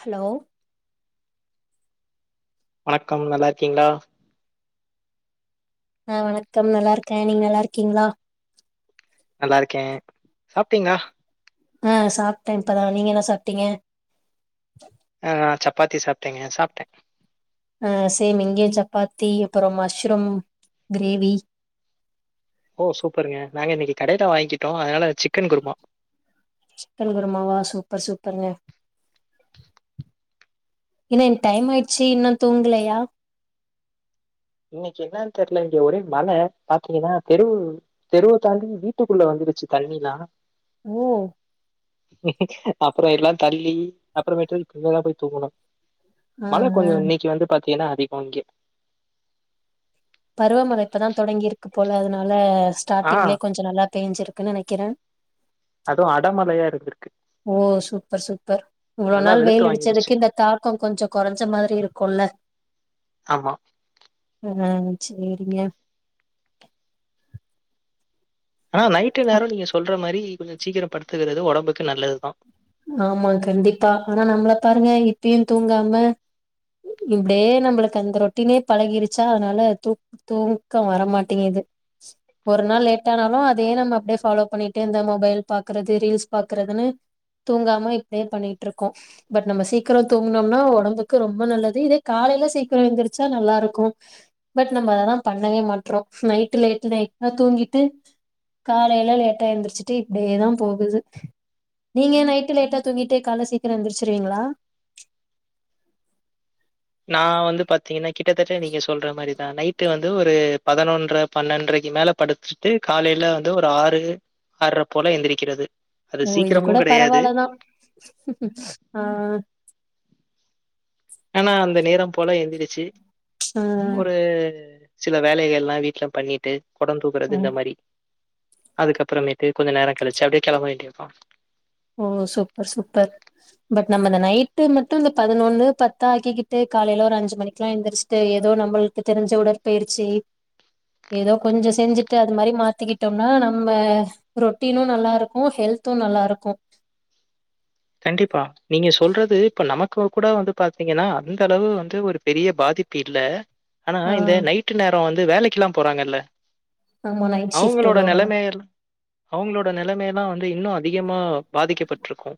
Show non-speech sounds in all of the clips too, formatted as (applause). Hello வணக்கம் நல்லா இருக்கீங்ளா ஆ வணக்கம் நல்லா இருக்கே நீங்க நல்லா இருக்கீங்ளா நல்லா இருக்கே சாப்டீங்ளா ஆ சாப்ட்டே இப்பதா நீங்க என்ன சாப்டீங்க ஆ சப்பாத்தி சாப்டேங்க சாப்டே அ சேம் இங்கேயு சப்பாத்தி அப்பறோ மஷ்ரூம் கிரேவி ஓ சூப்பருங்க நாங்க இன்னைக்கி கடய்ல வாங்கிட்டோ அதனால சிக்கன் குருமா சிக்கன்குருமாவா சூப்பர் சூப்பருங்க என்ன என்கக டைம் ஆய்ட்ச்சி இன்னு தூங்கலையா இன்னைக்கி என்னனு தெரில இங்க ஒரே மழ பாத்தீங்கனா தெரு தெருவ தாண்டி வீட்டுக்குள்ள வந்துருச்சி தண்ணிலா ஓ (unintelligible) அப்றோ எல்லாரு தள்ளி அப்புறமேட்டு கிளியரா போய் தூங்குனோ ஆ மழ ஆ கொஞ்ச இன்னக்கி வந்து பாத் தீங்கனா அதிகோ இங்க பருவமழ இப்பதா தொடங்கிருக்கு போல அதனால ஆ ஸ்டார்ட்டிங்லயே கொஞ்ச நல்லா பேஞ்சிருக்குனு நெனைக்கறே அது அடமழையா இருக்கு ஓ சூப்பர் சூப்பர். இவ்ளோ நல்லா நாள் வெளுத்து வெயில் வாங்கிருச்சு. அடிச்சதுக்கு இந்த தாக்கம் கொஞ்ச கொறஞ்ச மாரி இருக்குல்ல ஆமா ம் ஆ சேரிங்க ஆ நைட்டு நேரோ நீங்க சொல்ற மாரி கொஞ்ச சீக்கிர படுத்துக்கறது ஒடம்புக்கு நல்லதுதா ஆமா கண்டிப்பா. ஆனா நம்மள பாருங்க இப்பயு தூங்காம இப்டியே நம்பளுக்கு அந்த ரொட்டடீனே பழகிருச்சா அதனால தூக் தூக்கோ வரமாட்டேங்குது. ஒரு நாள் லேட் ஆனாலு அதயே நம்ம அப்டியே ஃபாலோ பண்ணிட்டே இந்த மொபைல் பாக்கறது ரீல்ஸ் பாக்குறதுன்னு தூங்காம இப்டியே பண்ணிட்ருக்கோ. பட் நம்ம சீக்ரோ தூங்குனோம்னா ஒடம்புக்கு ரொம்ப நல்லது. இதே காலைல சீக்கிரோ எழுந்துரிச்சா நல்லா இருக்கு. பட் நம்ம அதா பண்ணவே மாட்றோ. நைட் லேட் நைட்டா தூங்கிட்டு காலைல லேட்டா எந்திரிச்சிட்டு இப்டியேதா போகுது நீங்க நை ட்டு லேட்டா தூங்கிட்டு காலைல சீக்கிரோ எந்திருச்சிருவீங்களா? நா வந்து பாத்தீங்னா கிட்டத்தட்ட நீங்க சொல்ற மாரிதா நைட்டு வந்து ஒரு பதனொன்ர பன்னென்டரைக்கி மேல படுத்துட்டு காலைல வந்து ஒரு ஆறு ஆற்ர போல எந்திரிக்கிறது அது ஓ இது சீக்கிரமு கூட கெடையாது பரவால்லதா ஆ ஆனா அந்த நேரம் போல எந்திரிச்சி ஒரு சில வேலைகள்லா வீட்ல பண்ணிட்டு கொடம் ஆ தூக்கறது இந்த மாரி அதுக்கப்புறமேட்டு கொஞ்ச நேரோ கழிச்சு அப்டியே கெளம்ப வேண்டியதுதா ஓ சூப்பர் சூப்பர் பட் நம்ம இந்த நைட்டு மட்டு இந்த பதினொன்னு பத்தா ஆக்கிக்கிட்டு காலைல ஒரு அஞ்சு மணிக்கெல்லா எந்திரச்சுட்டு ஏதோ நம்மளுக்கு தெரிஞ்ச உடற்பயிற்சி ஏதோ கொஞ்ச செஞ்சுட்டு அது மாரி மாத்திக்கிட்டோம்னா நம்ம ரொட்டீனு நல்லா இருக்கு ஹெல்த்து நல்லா இருக்கு கண்டிப்பா நீங்க சொல்றது இப்ப நம க்கு கூட வந்து பாத்தீங்கன்னா அந்த அளவு வந்து ஒரு பெரிய பாதிப்பு இல்ல ஆனா ஆ இந்த நைட்டு நேரோ வந்து வேலைக் கெல்லா போறாங்கல்ல ஆமா நைட் ஷிஃப்ட் அவங்களோட உள்ளவங்களா நெலமையெல் அவங்களோட நெலமே ஆனா வந்து இன்னு அதிகமா பாதிக்கப்பட்டிருக்கு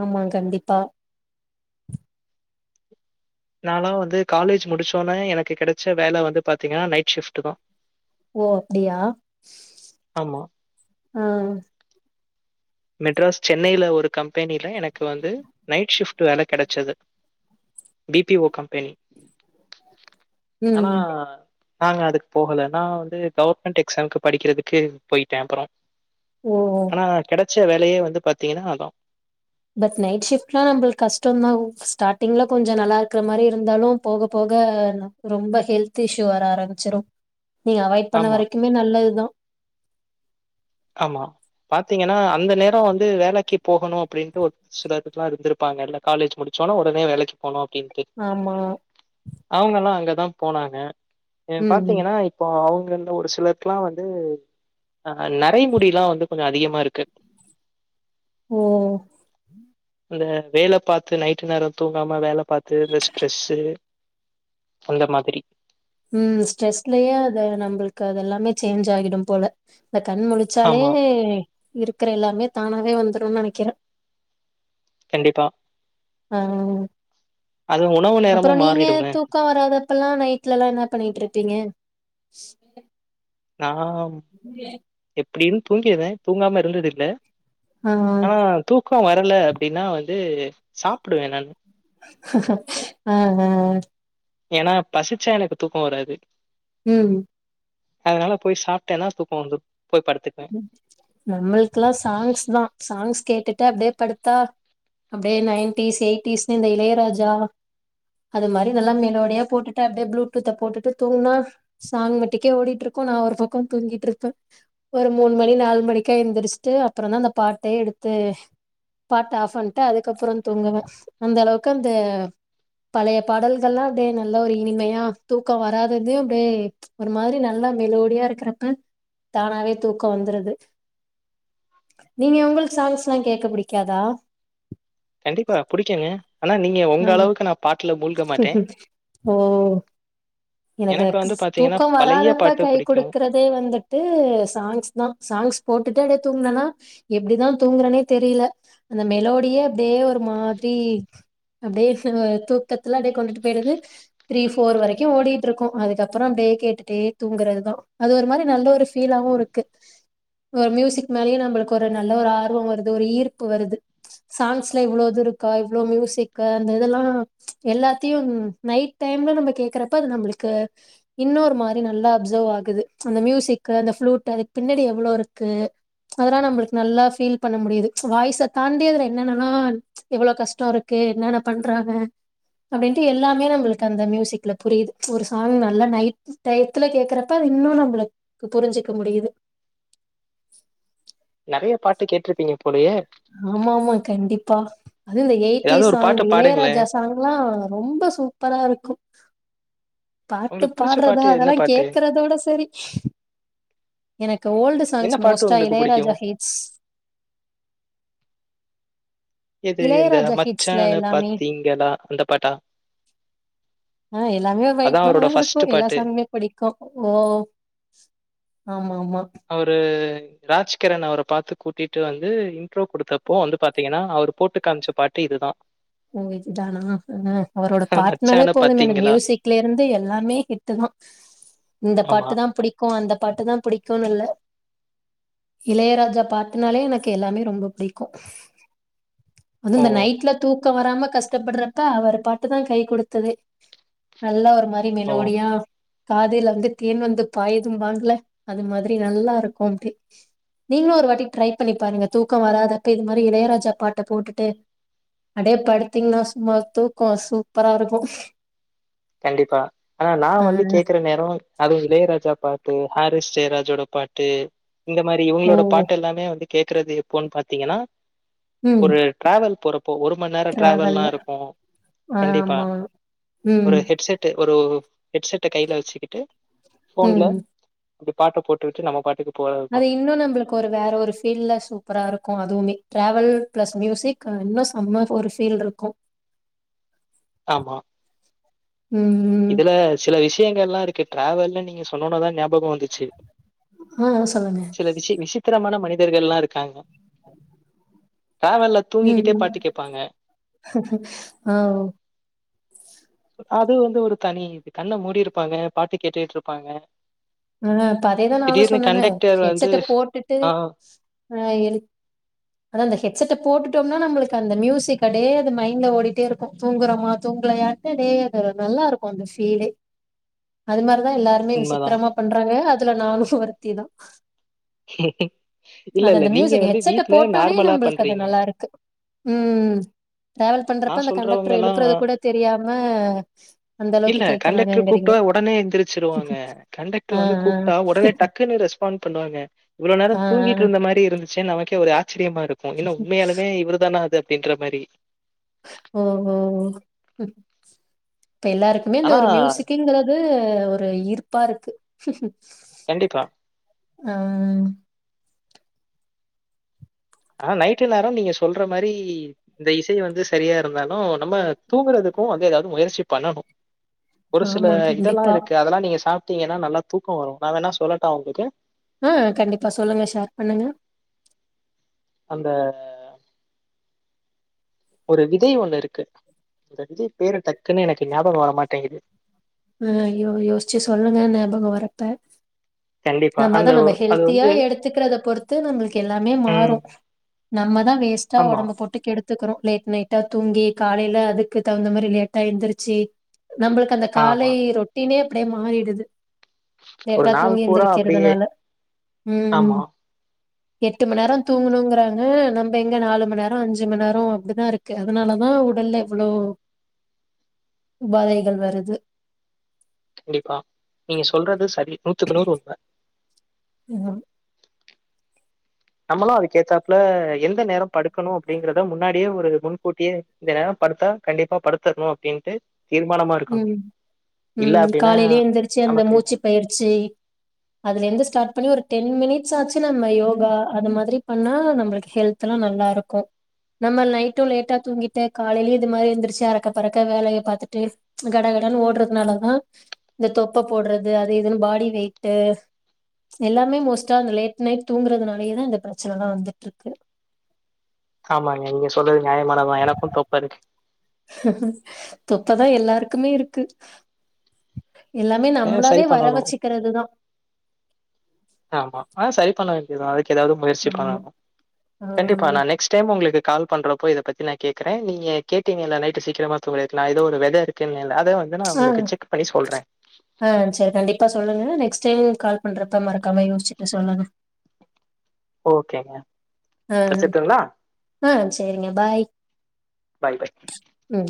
ஆமா கண்டிப்பா நால்லா வந்து காலேஜ் முடிச்சோன்னே எனக்கு கெடைச்ச வேல வந்து பாத்தீங்கன்னா நைட் ஷிஃப்ட்டுதா ஓ அப்டியா ஆமா. ஆ மெட்ராஸ் சென்னைல ஒரு கம்பெனில எனக் கு வந்து நைட் ஷிஃப்ட் டு வேல கெடச்சது பி டி ஓ கம்பெனி ஆனா ம் நாங்க அதுக் போகல நா வந்து கவர்மெண்ட் எக்ஸாம்க்கு படிக்றதுக்கு போய்ட்ட அப்றோ ஓ கெடச்ச வேலயே வந்து பாத்தீங்கனா அதா பட் நைட் ஷிஃப்ட்லா நம்ளுக்கு கஷ்டோ தா ஒ ஸ்டாட்டிங்ல கொஞ்ச நல்லாருக்கற மாரி இருந்தாலு போக போக ரொம்ப ஹெல்த் இஷு வர ஆரம்பிச்சிரும் நீங்க அவாய்ட் பண்ண ஆமா, வரைக்குமே நல்லது தா ஆமா பாத்தீங்கனா அந்த நேரோ வந்து வேலக்கி போகணு அப்டின்ட்டு ஒரு சிலதுக்லா இருந்திருப்பாங்கல காலேஜ் முடிச்சவனே உடனே வேலைக்கி போணு கின்டு ஆமா அவுங்கல்லா அங்க தா போனாக ஏ ம் ம் பாத்தீங்கனா இப்போ அவுங் நந்த ஒரு சிலருக்குலா வந்து ஆ ந கைமுடிலா வந்து கொஞ்ச அதிகமாருக்கு ஓ இந்த வேல பாத்து நைட்டு நேரோ தூங்காம வேல பாத்து இந்த ஸ்ட்ரெஸு அந்த மாதிரி ம் ஸ்ட்ரெஸ்லயே அத நம்ளுக்கு அதெல்லாமே சேஞ்ச் ஆகிடும் போல இந்த கண் முழிச்சாலே ஆமா, இருக்கற எல்லாமே தானாவே வந்துரும்னு நனைக்கிற கண்டிப்பா ஆ அது உணவு அப்றோ நேரமும் நீங்க மாறிடுங்க. தூக்கோ வராதப்பலா நைட்லலா என்ன பண்ணிட்ருப்பீங்க (inaudible) நாம் இப் இப்டின் தூங்கிர்த தூங்காம இருந்தது இல்ல ஆ தூக்கோ வரல அப்டினா வந்து சாப்டுவ நானு அ அ அ ஏனா பசிச்சா எனக்கு தூக்கோ வராது ம் அதனால போய் சாப்டனா தூக்கோ வந்துரும் போய் படுத்துக்குவேன். நம்ளுக்லா சாங்ஸ் தா சாங்ஸ் கேட்டு ட அப்டே படுத்தா அப்டே நைன்டீஸ் எய்டீஸ் ந்த இந்த இளையராஜா அது மாரி நல்லா மெலோடியா போட்டுட்ட அப்டியே ப்ளூடூத்த போட்டுட்டு தூங்குனா சாங் மட்டுக்கே ஓடிட்டு இருக்கு நா ஒரு பக்க தூங்கிட்ருப்பே ஒரு மூணு மணி நாலு மணிக்கா எழுந்திரிச்சுட்டு அப்றந்தா அந்த பாட்டே எடுத்து பாட்டு ஆஃப் பண்ட்டு அதுக்கப்ற தூங்குவே அந்த அளவுக்கு அந்த பழைய பாடல்கள்லா அப்டியே நல்லா ஒரு இனிமையா தூக்க வராததையு அப்டியே ஒரு மாரி நல்லா மெலோடியா இருக்கிறப்ப தானாவே தூக்க வந்துருது நீங்க உங்களுக்கு சாங்ஸ்ல்லா கேக்க புடிக்காதா கண்டிப்பா புடிக்குங்க ஆனா நீங்க உங்க அளவுக்கு நா பாட் க் கும் ம் எனக்கு எனக்கெனக்கு வந்து தூக்க பாத்தீங்கன்னா, பழைய வராதப்ப பாட்டு கை புடிக்கும். குடுக்குறதே வந்துட்டு சாங்ஸ் தா சாங்ஸ் போட்டுட்டே அப்ட தூங்குனனா எப்டிதா தூங்கறனே தெரில அந்த மெலோடியே அப்டியே ஒரு மாத்ரி அப்டியே தூக்கத்துல அப்டியே கொண்டுட்டு போயிருது த்ரீ ஃபோர் வரைக்கு ஓடிட் ட்ருக்கு அதுக்கப்ற அப்டியே கேட்டுட்டே தூங்கறதுதா அது ஒரு மாரி நல்ல ஒரு ஃ ஃபீலாவு இருக்கு ஒரு மியூசிக் மேலேயே நம்மளுக்கு ஒரு நல்ல ஒரு ஆர்வம் வருது ஒரு ஈர்ப்பு வருது சாங்ஸ்ல இவ்வளோ இது இருக்கா இவ்ளோ மியூசிக் அந்த இதெல்லா எல்லாத்தையு நைட் டைம்ல நம்ம கேக்குறப்ப அது நம்மளுக் கு இன்னொரு மாரி நல்லா அப்சர்வ் ஆகுது அந்த மியூசிக்கு அந்தளூடைப் அதுக்கு பின்னடி எவ்ளோ இருக்கு அதல்லா நம்மளுக்கு நல்லா ஃபீல் பண்ண முடியுது வாய்ஸை தாண்டி அதுல என்னன்னா எவ்ள கஷ்ட இருக்கு என்னன்ன பண்றாங்க அப்டின்ட்டு எல்லாமே நம்மளுக்கு அந்த மியூசிக்ல புரிது ஒரு சாங் நல்லா நைட் டயத்துல கேக்குறப்ப அது இன்னு நம்மளுக்கு புரிஞ்ஜிக்க முடியுது நெறைய பாட்டு கேட்டிருப்பீங்க போலையே ஆமாமா கண்டிப்பா அது எயிட்டி ஏதாவது ஒரு சாங் பாட்டு இந்த பாடுங்களே இளையராஜா சாங்ல்லா ரொம்ப சூப்பரா இருக்கு பாட்டு உங்களுக்கு புடிச்ச பாட்றதா பாட்டு என்ன அதல்லா பாட்டு கேக்கறதோட சரி எனக் ஓல்டு சான்ஸ் என்ன பாட்டு மோஸ்டா உங்களுக்கு புடிக்கு இளையராஜா ஹிட்ஸ் எது இந்த இளையராஜா ஹிட்ஸ்ல மச்சன்னு எல்லாமே பாத்தீங்களா அந்த பாட்டா அத உஇருக்கு எல்லா சாங்குமே பிடிக்கு ஓ ஆ ஆமா அவுரு ராஜ்கிரன் அவர பாத்து கூட்டிட்டு வந்து இன்ட்ரோ குடுத்தப்போ வந்து பாத்தீங்கன்னா அவரு போட்டு காம்ச்ச பாட்டு இதுதா ஓ இதுதானா ஹ அவரோட பாட்னாலே மச்சான போதுமே இந்த பாத்தீங்களா மியூசிக்லருந்து எல்லாமே ஹிட் தா இந்த ஆமா பாட்டு தா புடிக்கு அந்த பாட்டுதா புடிக்குனுல்ல இளையராஜா பாட்டுனாலே எனக்கு எல்லாமே ரொம்ப புடிக்கு ஓ அந்த நைட்ல தூக் க்க வராம கஷ்டப்பட்றப்ப அவரு பாட்டு தா கை குடுத்ததே நல்ல ஒரு மாரி ஓ மெலோடியா காதில் வந்து தேன் வந்து பாயிதும்பாங்ல அது மாதிரி நல்லாருக்கு அப்டே நீங்களு ஒரு வாட்டி ட்ரை பண்ணி பாருங்க தூக்கொ வராதப்ப இது மாரி இளையராஜா பாட்ட போட்டுட்டு அடே படுத்தீங்னா சும்மா தூக்கொ சூப்பராருக்கு கண்டிப்பா ஆனா நா வந்து கேக்குற நேரொ அதுவு இளையராஜா பா ட்டு ஹாரிஸ் ஜெயராஜோட பாட்டு இந்த மாரி ஓ இவுங்ளோட பாட்டெல்லாமே வந்து கேக்குறது எப்போன் பாத்தீங்கனா ம் ஒரு டிராவல் போற ப்பொ ஒரு மண் நேர டிராவல்ல ட்ராவெல்லாருக்கு கண்டிப்பா ஆமா ம் ஒரு ஹெட்செட்டு ஒரு ஹெட்செட்ட கைல வச்சுகிட்டு ம் இப்டி பாட்ட போட்டுட்டு நம்ம பாட்டுக்கு அது போறதுதான். இன்னு நம்ப்ளுக்கு ஒரு வேற ஒரு ஃபீல்ல சூப்பராருக்கு அதுவ்மே ட்ராவல் ப்ளஸ் மியூசிக் அது இன்னு செம்ம ஒரு ஃபீல்ருக்கு ஆமா ம் ம் யங்கள்லா இருக்கு ட்ராவல்னு நீங்க சொன்னோனதா நியாபகொ வந்துச்சு ஹ அ சொல்லுங்க த்திரமான மனிதர்கள்லா இருக்காங்க (inaudible) டிராவல்ல தூங்கிக்கிட்டே ம் பாட்டு கேட்பாங்க. ஓ அது வந்து ஒரு தனி இது கண்ண மூடிருப்பாங்க பாட்டு கேட்டுட்ருப்பாங்க ஆ இப்ப அதேதா நானு சொன்னனே வந்து ஹெட்செட்ட போட்டுட்டு ஆ அ எழு அதா அந்த ஹெட்செட்ட போட்டுட்டோம்னா நம்மளுக்கு அந்த மியூசிக் அடே அது மைண்ட்ல ஓடிட்டேருக்கு தூங்குறோமா தூங்லயா (unintelligible) நல்லாருக்கு அந்த ஃபீலே அது மாரி தா எல்லாருமே உண்மதான். விசித்ரமா றாங்க அதுல நானு ஒருத்திதா இல்ல, அது இல்ல. அந்த நீங்க மியூசிக் வந்து ஹெட்செட்ட வீட்ல போட்டோனே நார்மலா நம்பளுக்கு அது பண்றீங்க. நல்லாருக்கு ம் ட்ராவல் பண்றப்ப நான் அந்த கண்டக்டர் சொல்றவங்கலாம் எழுப்றது கூட தெரியாம அந்தளவுக்கு இல்ல கண்டக்டர் கேக்குறாருங்குறீங்க கூப்ட்டா டர் வந்து கூப்டா ஒடனே டக்குன்னு ரெஸ்பாண் பண்ணுவாங்க இவ்ளொ நேர ஆ, ஆ, ஆ. தூங்கிட்ருந்த மாரி இருந் துச்சுன்‌ நமக்கே ஒரு ஆ ஆச்சரியமா இருக்கு ஏன்னா உண்மையாலுமே இவருதானா அது அப்டின்ற மாரி ஓஹோ இப்ப எல்லாருக்குமே இந்த ஆனா ஒரு மியூசிக்குங்கிறது ஆ ஒரு ஈர்ப்பா இருக்கு கண்டிப்பா. ஆ ஆ நைட்டு நேரோ நீங்க சொல்ற மாரி இந்த இசை வந்து சரியா இருந்தாலு நம்ம தூங்குறதுக்கு வந்து எதாவது முயற்சி பண்ணணு ஒரு சில ஆமா இதெல்லா கண்டிப்பா. இருக்கு அதெல்லா நீங்க சாப் ட்டீங்கன்னா நல்லா தூக்கோ வரு நா வேண்ணா சொல்லட்டா உங்களுக்கு? ஆ கண்டிப்பா சொல்லுங்க ஷேர் பண்ணுங்க அந்த ஒரு விதை ஒண்ணு இருக்கு. அந்த விதை பேரு டக்குன்னு எனக்கு ஞாபகோ வரமாட்டேங்குது. ஆ ஐயோ யோசிச்சு சொல்லுங்க ஞாபகோ வர்றப்ப. கண்டிப்பா. நம்ம அதா அந்த நம்ம அது ஹெல்த்தியா வந்து எடுத்துக்கிறத பொறுத்து நம்மளுக்கு எல்லாமே ம். மாறு. நம்மதா வேஸ்ட்டா ஆமா, ஒடம்ப போட்டு கெடு த்துக்கறோ லேட் நைட்டா தூங்கி காலைல அதுக்கு தகுந்த மாரி லேட்டா எந்திரிச்சி நம்பளுக்கு அந் காலை ஆமா. ரொட்டீனே அப்டியே மாறிடுது ஒரு லேட்டா நாள் தூங்கி பூரா அப்படியே எந்திரிக்கிறதுனால ம் ஆமா, எட்டு மணி நேரோ தூங்கணுங்கறாங்க நம்ப எங்க நாலு மணி நேரோ அஞ்சு மணி நேரோ அப்டிதா இருக்கு. அதனாலதா உடல்ல இவ்ளோ உபாதைகள் வருது. கண்டிப்பா. நீங்க சொல்றது சரி நூத்துக்கு நூறு உண்ம. இது ம் நம்மளு அதுக்கேத்தாப்ல எந்த நேரோ படுக்கணு அப்டிங்கறத முன்னாடியே ஒரு முன்கூட்டியே இந்த நேரோ படுத்தா கண்டிப்பா படுத்தரணு அப்டின்ட்டு ம் ம் அப்படின்னா காலைலயே எந்திரிச்சு அந்த நமக்கு மூச்சுப் பயிற்சி அதுல இருந்து ஸ்டார்ட் பண்ணி ஒரு டென் மினிட்ஸ் ஆச்சு நம்ம யோகா அது மாதிரி பண்ணா நம்பளுக்கு ஹெல்த் எல்லா நல்லா இருக்கு நம்ம நைட்டு லேட்டா தூங்கிட்டு காலைலயு இது மாரி எந்திரிச்சு அரக்க பரக்க வேலைய பாத்துட்டு கடகடன்னு ஓடுறதுனாலதா இந்த தொப்பை போடறது அது இதுன்னு பாடி வெயிட்டு் எல்லாமே மோஸ்ட்டா அந்த லேட் நைட் தூங்குறதுனாலயேதா இந்த பிரச்சனைலா வந்துட்ருக்கு ஆமாங்க நீங்க சொல்றது நியாயமானதுதா எனக்கும் தொப்ப இருக்கு. தொப்பதா எல்லாருக்குமே இருக்கு எல்லாமே அ சரி நம்மளாவே வர பண்ணணும். வச்சுக்கிறதுதா ஆமா ஆனா சரி பண்ண வேண்டியதுதா அது க்கு எதாவது முயற்சி ஆமா பண்ணணு ஆ கண்டிப்பா நெக்ஸ்ட் டைமு உங்களுக்கு கால் பண்றப்போ இத பத்தி நா கேக்குறே நீங்க கேட்டீங்கல்ல நைட்டு சீக்கிரமா தூங்கறக்கு நான் எதோ ஒரு வெத இருக்குன்ன ஆ ஆ ஆ சேரி கண்டிப்பா சொல்லுங்க நெக்ஸ்ட் டைமு கால் பண்றப் ப மறக்காம யோசிச்சுட்டு சொல்லுங்க ஓகேங்க வெச்சிர்டுங்ளா செரிங்க பாய் பாய் பாய் ம்